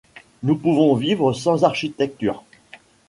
Nous pouvons vivre sans architecture.